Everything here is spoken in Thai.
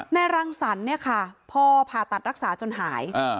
แน่รังสรรพอผ่าตัดรักษาจนหาย